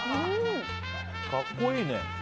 格好いいね。